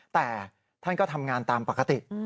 แต่ท่านก็ทำงานตามปกติ